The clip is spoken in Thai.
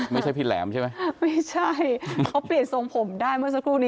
ไม่ใช่พี่แหลมใช่ไหมไม่ใช่เขาเปลี่ยนทรงผมได้เมื่อสักครู่นี้